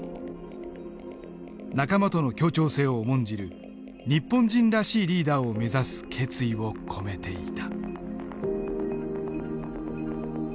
仲間との協調性を重んじる日本人らしいリーダーを目指す決意を込めていた。